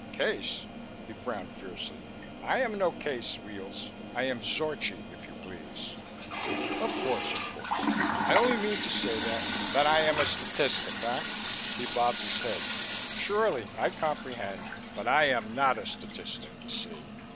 "Case?" He frowned fiercely. "I am no case, Weels. I am Zorchi, if you please." "Of course, of course. I only mean to say that " "That I am a statistic, eh?" He bobbed his head. "Surely. I comprehend. But I am not a statistic, you see.